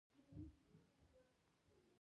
ټول خلک چمتو وو چې خپل اسباب ورسره مبادله کړي